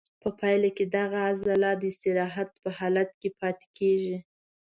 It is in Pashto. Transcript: په پایله کې دغه عضله د استراحت په حالت کې پاتې کېږي.